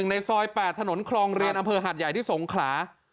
ในซอย๘ถนนคลองเรียนอำเภอหาดใหญ่ที่สงขลา